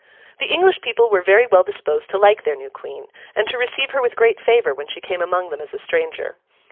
The English people were very well disposed to like their new Queen, and to receive her with great favour when she came among them as a stranger.